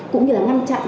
cũng như là ngăn chặn